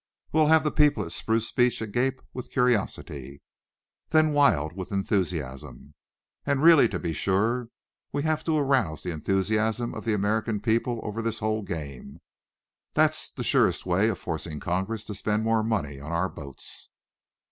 We'll have the people at Spruce Beach agape with curiosity, then wild with enthusiasm. And, really, to be sure, we have to arouse the enthusiasm of the American people over this whole game. That's the surest way of forcing Congress to spend more money on our boats."